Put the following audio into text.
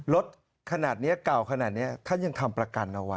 รถขนาดนี้เก่าขนาดนี้ท่านยังทำประกันเอาไว้